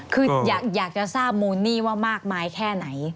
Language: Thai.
คืออยากจะทราบมูลหนี้ว่ามากมายแค่ไหน